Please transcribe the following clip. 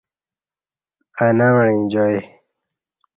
اہ نہ وعیں جائی